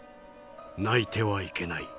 泣いてはいけない。